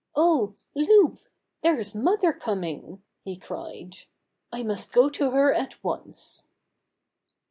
"Oh, Loup, there's mother coming!" he cried. "I must go to her at once!"